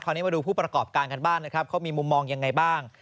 คราวนี้มาดูผู้ประกอบการการบ้านเขามีมุมมองยังไงบ้าง